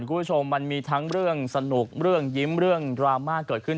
คุณผู้ชมมันมีทั้งเรื่องสนุกเรื่องยิ้มเรื่องดราม่าเกิดขึ้น